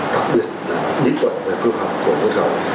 đặc biệt là biến tỏa về cơ hội của dân cư